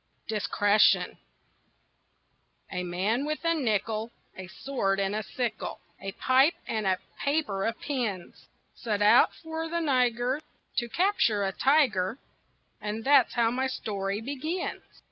DISCRETION A man with a nickel, A sword, and a sickle, A pipe, and a paper of pins Set out for the Niger To capture a tiger And that's how my story begins.